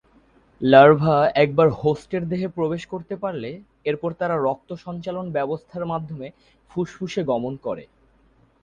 Larva একবার হোস্টের দেহে প্রবেশ করতে পারলে এরপর তারা রক্ত সঞ্চালন ব্যবস্থার মাধ্যমে ফুসফুসে গমন করে।